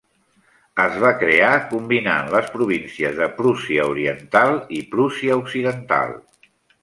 Es va crear combinant les províncies de Prússia oriental i Prússia occidental.